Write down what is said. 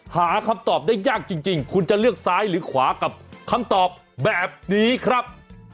หาคำตอบได้ยากจริงคุณจะเลือกซ้ายหรือขวากับคำตอบแบบนี้ครับ